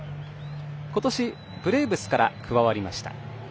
今年、ブレーブスから加わりました。